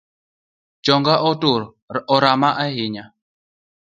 Chonga otur, orama ahinya